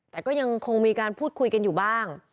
แต่ก็ยังคงมีการพูดคุยกันอยู่บ้าง